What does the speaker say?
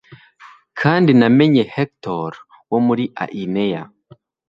kandi namenye Hector wo muri Aineya